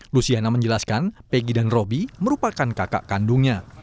luciana menjelaskan peggy dan robi merupakan kakak kandungnya